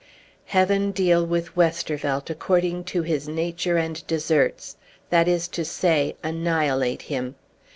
Heaven deal with Westervelt according to his nature and deserts! that is to say, annihilate him.